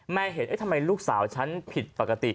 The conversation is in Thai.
เห็นทำไมลูกสาวฉันผิดปกติ